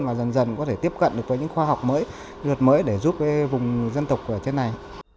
và dần dần có thể tiếp cận được với những khoa học mới đợt mới để giúp cái vùng dân tộc ở trên này